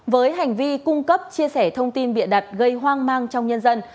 với hành vi cung cấp chia sẻ thông tin bịa đặt gây hoang mang trong nhân dân